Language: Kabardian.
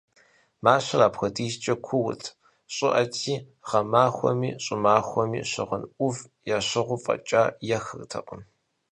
Мащэр апхуэдизкӏэ куут, щӏыӏэти, гъэмахуэми щӏымахуэ щыгъын ӏув ящыгъыу фӏэкӏа ехыртэкъым.